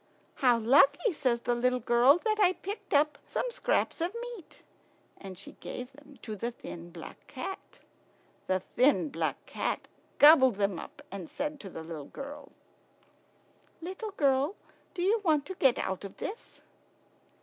"How lucky," says the little girl, "that I picked up the scraps of meat!" And she gave them to the thin black cat. The thin black cat gobbled them up, and said to the little girl, "Little girl, do you want to get out of this?"